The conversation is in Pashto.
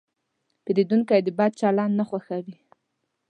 پیرودونکی د بد چلند نه خوښوي.